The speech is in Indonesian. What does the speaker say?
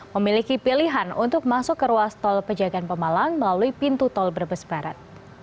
memiliki pilihan untuk masuk ke ruas tol pejagaan pemalang melalui pintu tol brebes barat